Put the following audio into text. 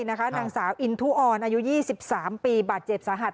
นางสาวอินทุออนอายุ๒๓ปีบาดเจ็บสาหัส